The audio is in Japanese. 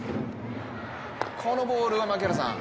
このボールは、槙原さん。